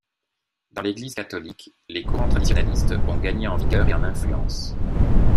Dans l'Église catholique, les courants traditionalistes ont gagné en vigueur et en influence.